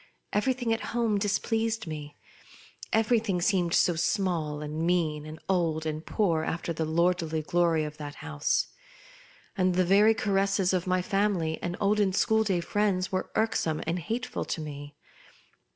Everything at home displeased me. Everything seemed so small and mean, and old and poor after the lordly glory of that house; and the very caresses of my family and olden school day friends were irksome and hateful to me.